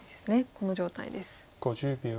この状態です。